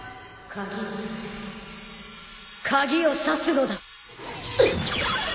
鍵を挿すのだ。